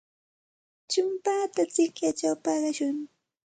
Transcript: Chumpata sikyachaw paqashun.